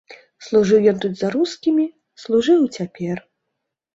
Служыў ён тут за рускімі, служыў і цяпер.